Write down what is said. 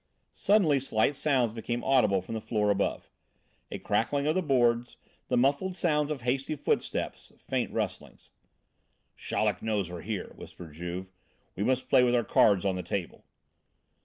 Suddenly slight sounds became audible from the floor above. A crackling of the boards, the muffled sounds of hasty footsteps, faint rustlings. "Chaleck knows we are here," whispered Juve. "We must play with our cards on the table."